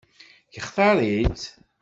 Yextaṛ-itt?